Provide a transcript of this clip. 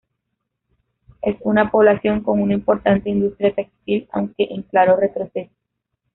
Es una población con una importante industria textil, aunque en claro retroceso.